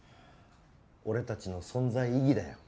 俺たちの存在意義だよ。